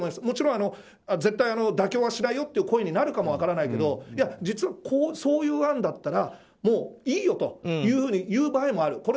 もちろん絶対妥協はしないよという声になるかも分からないけど実は、そういう案だったらもういいよというふうに言う場合もある。